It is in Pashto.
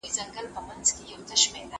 ناوړه فکرونه نه